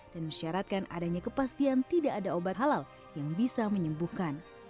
dan mesyaratkan adanya kepastian tidak ada obat halal yang bisa menyembuhkan